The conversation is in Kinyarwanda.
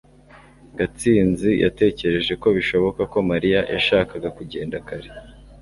gatsinzi yatekereje ko bishoboka ko mariya yashakaga kugenda kare